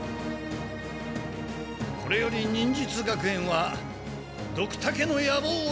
これより忍術学園はドクタケの野望をたたきに行く。